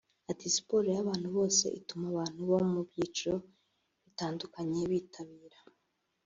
Ati "Siporo y’abantu bose ituma abantu bo mu byiciro bitandukanye bitabira